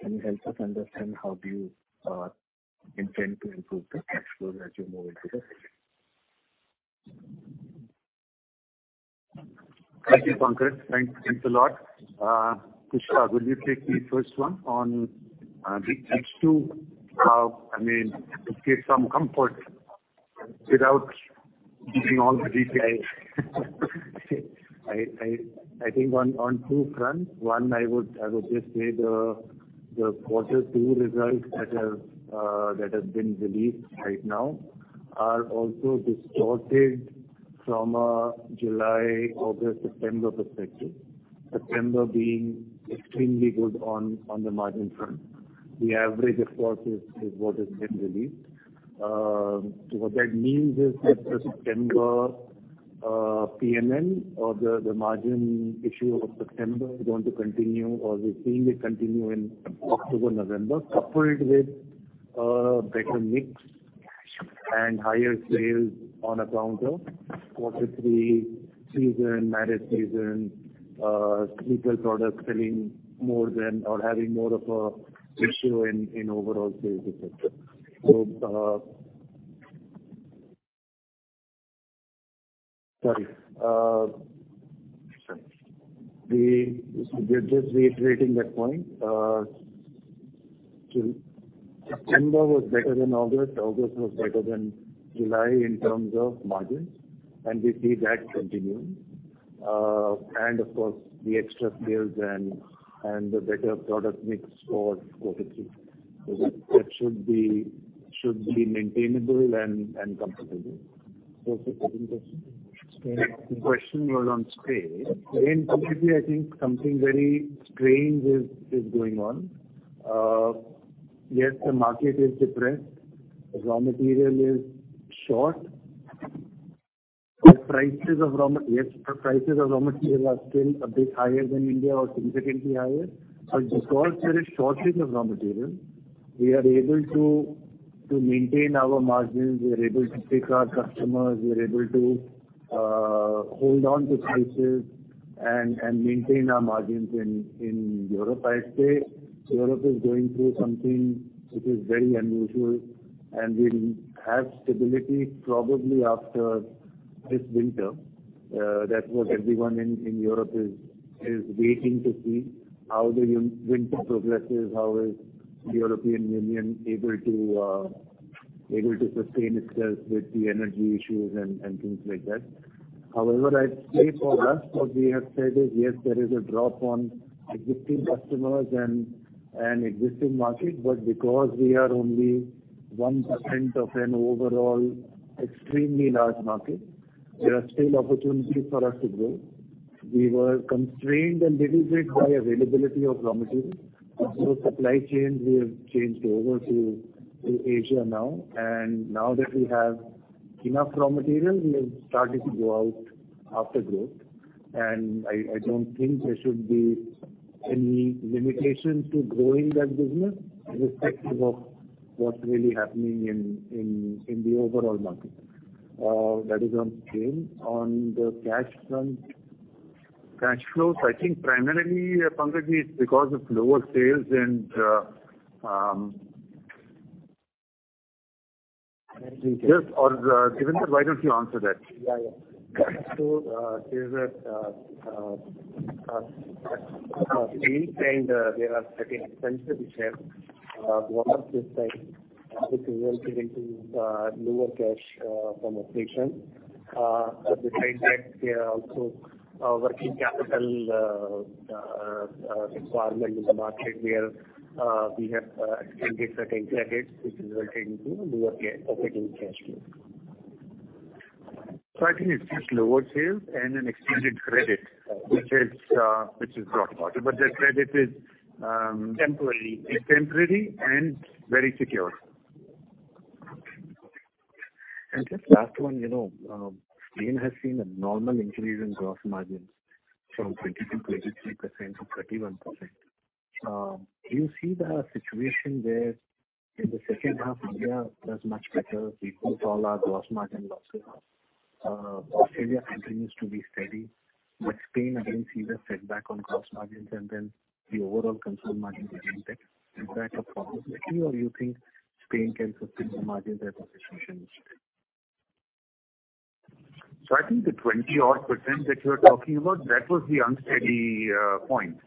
Can you help us understand how do you intend to improve the cash flow as you move into the future? Thank you, Pankaj. Thanks, thanks a lot. Tushar, will you take the first one on the H2? I mean, to give some comfort without giving all the details. I think on two fronts. One, I would just say the quarter two results that have been released right now are also distorted from a July, August, September perspective. September being extremely good on the margin front. The average, of course, is what has been released. So what that means is that the September PNL or the margin issue of September is going to continue, or we've seen it continue in October, November, coupled with better mix and higher sales on account of quarter three season, marriage season, sleeper products selling more than or having more of a ratio in overall sales. So, just reiterating that point, September was better than August. August was better than July in terms of margins, and we see that continuing. Of course, the extra sales and the better product mix for quarter three. So that should be maintainable and comfortable. So second question? The question was on Spain. Again, personally, I think something very strange is going on. Yes, the market is depressed. Raw material is short. The prices of raw—yes, the prices of raw materials are still a bit higher than India or significantly higher. But because there is shortage of raw materials, we are able to maintain our margins. We are able to pick our customers, we are able to hold on to prices and maintain our margins in Europe. I'd say Europe is going through something which is very unusual, and we'll have stability probably after this winter. That's what everyone in Europe is waiting to see how the winter progresses, how is the European Union able to sustain itself with the energy issues and things like that. However, I'd say for us, what we have said is, yes, there is a drop on existing customers and existing market, but because we are only 1% of an overall extremely large market, there are still opportunities for us to grow. We were constrained a little bit by availability of raw materials. So supply chains we have changed over to Asia now and now that we have enough raw material, we have started to go out after growth. I don't think there should be any limitations to growing that business, irrespective of what's really happening in the overall market. That is on Spain. On the cash front, cash flows, I think primarily, Pankaj, it's because of lower sales and... Yes, or, Davinder, why don't you answer that? Yeah, yeah. So, we find there are certain expenses we have, one of which is resulting into lower cash from operations, but besides that, we are also working capital requirement in the market where we have extended certain credits which is resulting into lower cash operating cash flow. So I think it's just lower sales and an extended credit, which is, which is brought about it. But that credit is temporary. It's temporary and very secure. Just last one, you know, Spain has seen a normal increase in gross margins from 20%-23% to 31%. Do you see the situation where in the second half, India does much better, we control our gross margin losses? Australia continues to be steady, but Spain again see the setback on gross margins, and then the overall consumer margin is impacted. Is that a possibility, or you think Spain can sustain the margins at the situation? So I think the 20-odd% that you are talking about, that was the unsteady point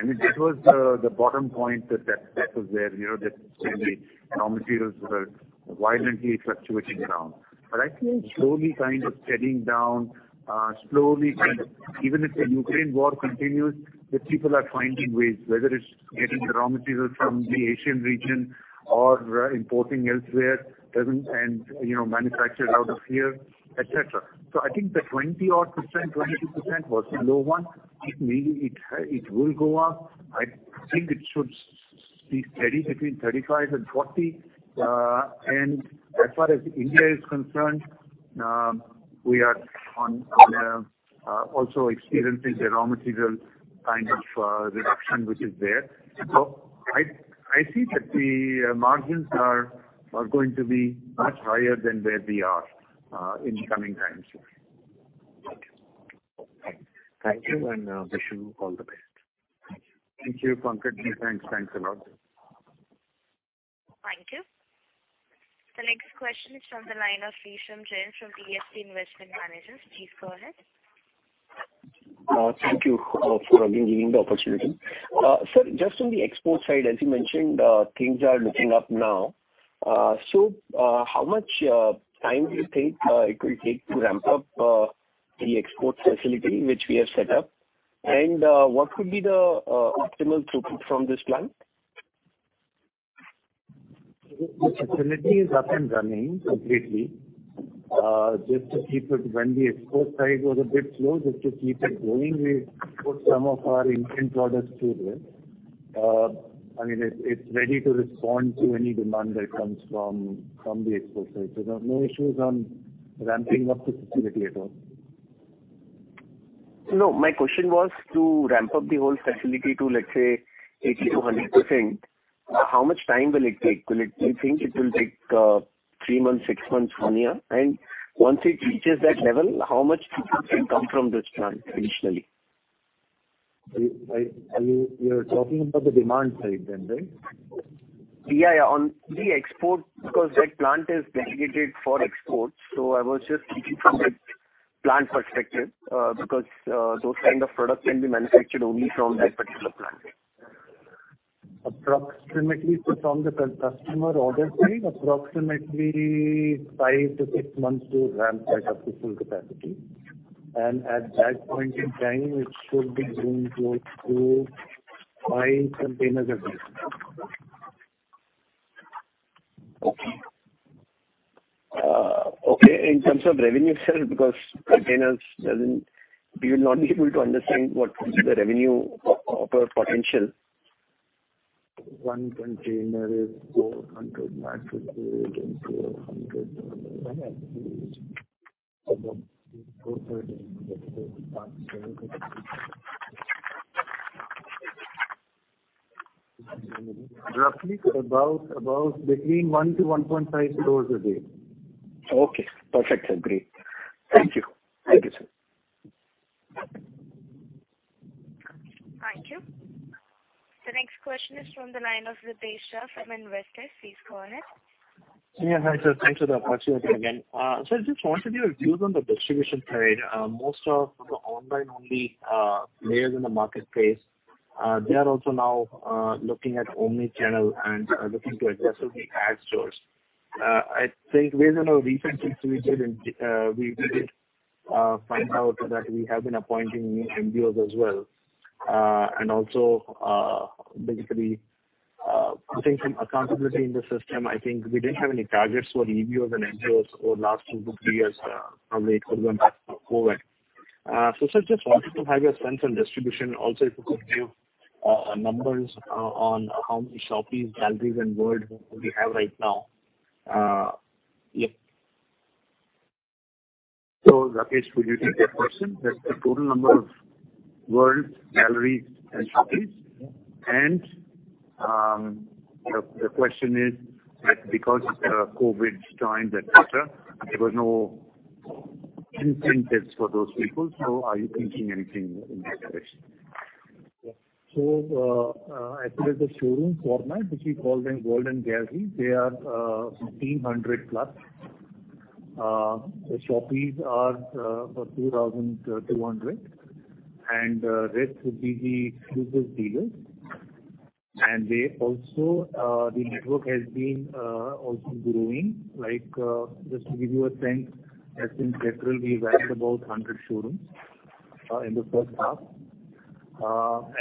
and that was the bottom point that was there, you know, that Spain and raw materials were violently fluctuating around. But I think slowly kind of steadying down, slowly kind of—even if the Ukraine war continues, the people are finding ways, whether it's getting the raw materials from the Asian region or importing elsewhere, doesn't... And, you know, manufactured out of here, et cetera. So I think the 20-odd%, 22% was the low one. It may, it will go up. I think it should be steady between 35 and 40. As far as India is concerned, we are also experiencing the raw material kind of reduction, which is there. So I see that the margins are going to be much higher than where we are in the coming times. Okay. Thank you. Thank you, and wish you all the best. Thank you, Pankaj. Thanks, thanks a lot. Thank you. The next question is from the line of Resham Jain from DSP Investment Managers. Please go ahead. Thank you for, again, giving the opportunity. Sir, just on the export side, as you mentioned, things are looking up now. So, how much time do you think it will take to ramp up the export facility which we have set up? What could be the optimal throughput from this plant? The facility is up and running completely. Just to keep it when the export side was a bit slow, just to keep it going, we put some of our Indian products through there. I mean, it's ready to respond to any demand that comes from, from the export side. So there are no issues on ramping up the facility at all. No, my question was to ramp up the whole facility to, let's say, 80%-100%, how much time will it take? Will it do you think it will take three months, six months, one year? Once it reaches that level, how much throughput can come from this plant initially? Are you—you're talking about the demand side then, right? Yeah, yeah, on the export, because that plant is dedicated for exports, so I was just keeping from the plant perspective, because those kind of products can be manufactured only from that particular plant. Approximately from the customer order side, approximately 5-6 months to ramp that up to full capacity. At that point in time, it should be doing close to five containers a day. Okay. Okay, in terms of revenue side, because containers doesn't... We will not be able to understand what is the revenue potential. One container is 400 boxes into a hundred. Roughly, about, about between 1-1.5 stores a day. Okay, perfect, sir. Great. Thank you. Thank you, sir. Thank you. The next question is from the line of Ritesh Shah from Investec. Please go ahead. Yeah, hi, sir. Thanks for the opportunity again. So I just wanted your views on the distribution side. Most of the online-only players in the marketplace, they are also now looking at Omni-channel and looking to aggressively add stores. I think based on a recent institute we did in, we did find out that we have been appointing new MBOs as well. Also, basically, putting some accountability in the system, I think we didn't have any targets for EBOs and MBOs over the last two to three years, probably because of COVID. So, sir, just wanted to have your stance on distribution. Also, if you could give numbers on how many Shoppes, Galleries, and World we have right now? So, Rakesh, will you take that question? That's the total number of World, Gallery, and Shoppes. The question is that because of the COVID times, et cetera, there was no incentives for those people. So are you thinking anything in that direction? As per the showroom format, which we call them World and Gallery, they are 1,500+. The Shoppes are 2,200, and rest would be the exclusive dealers. They also, the network has been also growing. Like, just to give you a sense, as in H1, we added about 100 showrooms in the first half.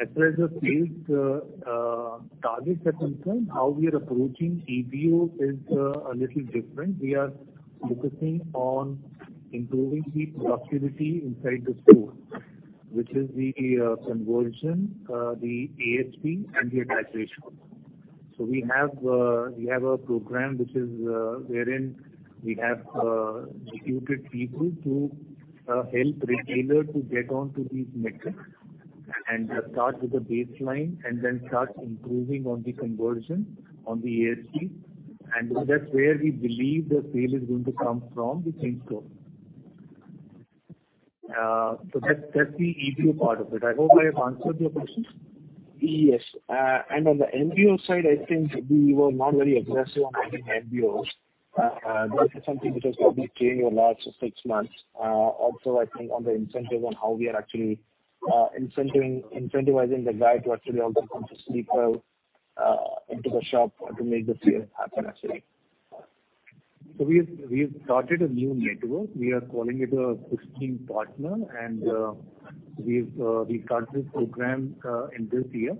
As far as the sales targets are concerned, how we are approaching EBO is a little different. We are focusing on improving the productivity inside the store, which is the conversion, the ASP and the attach ratio. So we have a program which is, wherein we have, dedicated people to, help retailer to get on to these metrics and start with a baseline and then start improving on the conversion, on the ASP. That's where we believe the sale is going to come from, the same store. So that, that's the EBO part of it. I hope I have answered your question. Yes. On the MBO side, I think we were not very aggressive on adding MBOs. This is something which is going to be clearing a lot of six months. Also, I think on the incentive on how we are actually incentivizing the guy to actually also come to Sleepwell into the shop to make the sale happen, actually. So we've started a new network. We are calling it a Fit-in partner, and we've started this program in this year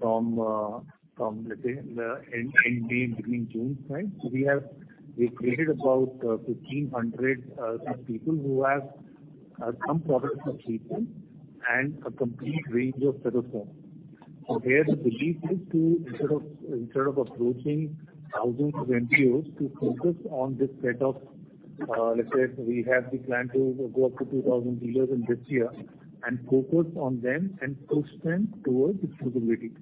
from, let's say, the end May, beginning June time. So we have—we created about 1,500 people who have some products of people and a complete range of products. So here the belief is to, instead of approaching thousands of MBOs, to focus on this set of, let's say, we have the plan to go up to 2,000 dealers in this year and focus on them and push them towards exclusivity.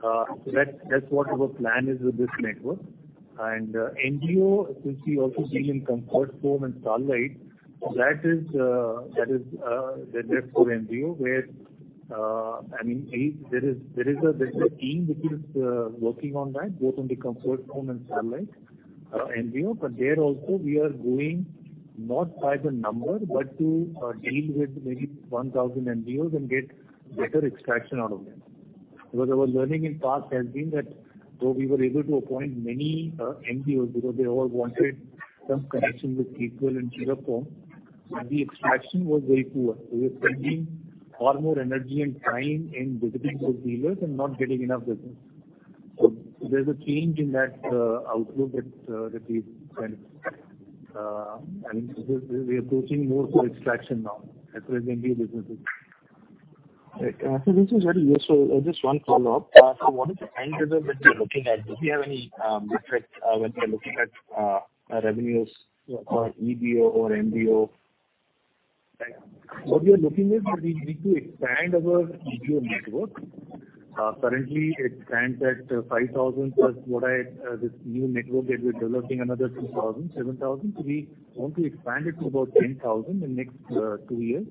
So that's what our plan is with this network. MBO, since we also deal comfort foam and Starlite, that is, that's for MBO, where, I mean, there is a team which is working on that, both on comfort foam and Starlite, MBO. But there also we are going not by the number, but to deal with maybe 1,000 MBOs and get better extraction out of them because our learning in past has been that, though we were able to appoint many MBOs, because they all wanted some connection with people and uniform, the extraction was very poor. We were spending far more energy and time in visiting those dealers and not getting enough business. So there's a change in that outlook that we've done and we are approaching more for extraction now, as per the MBO businesses. Right. This is very useful. Just one follow-up. What is the time period that you're looking at? Do you have any metrics when you're looking at revenues for EBO or MBO? What we are looking at is we need to expand our EBO network. Currently, it stands at 5,000, plus this new network that we're developing, another 2,000, 7,000. So we want to expand it to about 10,000 in the next two years,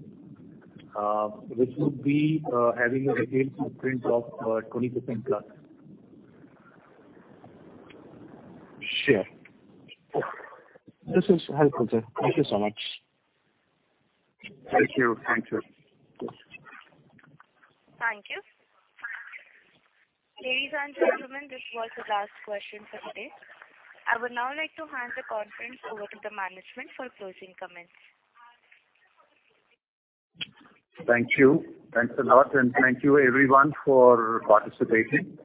which would be having a retail footprint of 20%+. Sure. This is helpful, sir. Thank you so much. Thank you. Thank you. Thank you. Ladies and gentlemen, this was the last question for the day. I would now like to hand the conference over to the management for closing comments. Thank you. Thanks a lot, and thank you everyone for participating,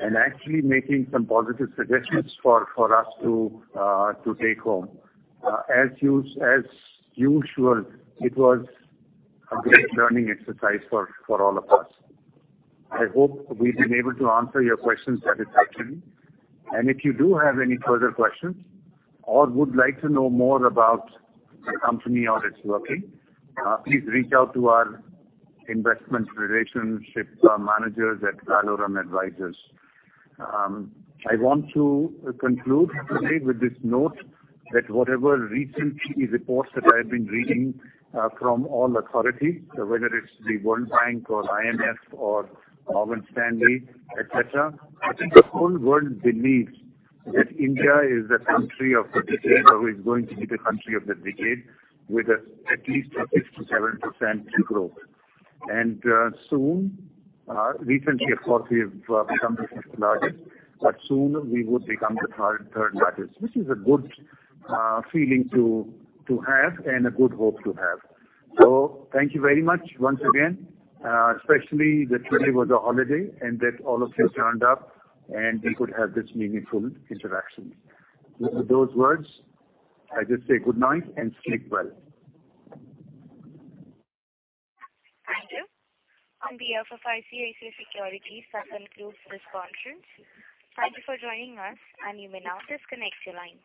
and actually making some positive suggestions for us to take home. As usual, it was a great learning exercise for all of us. I hope we've been able to answer your questions satisfactorily. If you do have any further questions or would like to know more about the company or its working, please reach out to our investment relationship managers at Valorem Advisors. I want to conclude today with this note, that whatever recent key reports that I have been reading from all authorities, whether it's the World Bank or IMF or Morgan Stanley, et cetera, I think the whole world believes that India is the country of the decade, or is going to be the country of the decade, with at least a 57% growth. Soon, recently, of course, we've become the fifth largest, but soon we would become the third largest. This is a good feeling to have and a good hope to have. So thank you very much once again, especially that today was a holiday and that all of you turned up and we could have this meaningful interaction. With those words, I just say good night and sleep well. Thank you. On behalf of ICICI Securities, that concludes this conference. Thank you for joining us, and you may now disconnect your line.